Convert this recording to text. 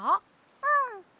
うん。